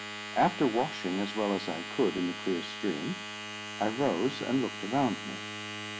After washing as well as I could in the clear stream, I rose and looked around me.